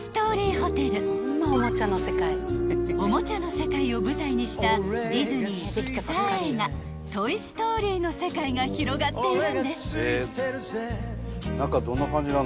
［おもちゃの世界を舞台にしたディズニーピクサー映画『トイ・ストーリー』の世界が広がっているんです］